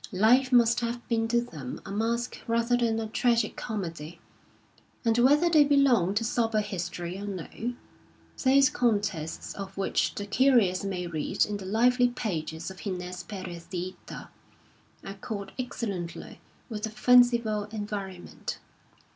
Life must have been to them a masque rather than a tragi comedy ; and whether they belong to sober history or no, those contests of which the curious may read in the lively pages of Gines Perez de Hita accord excellently with the fanciful environ ment.